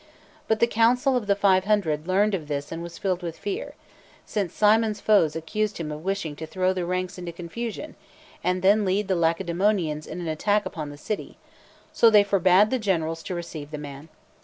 But the Council of the Five Hundred learned of this and was filled with fear, since Cimon's foes accused him of wishing to throw the ranks into confusion, and then lead the Lacedaemonians in an attack upon the city ; so they forbade the generals to receive the man.